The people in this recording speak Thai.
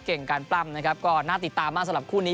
เก่งการปล้ำนะครับก็น่าติดตามมากสำหรับคู่นี้